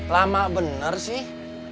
lama bener sih